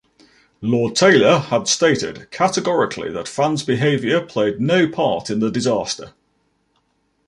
Lord Taylor had stated categorically that fans' behaviour played no part in the disaster.